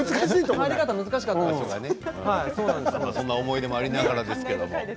そんな思い出もありながらですけれども。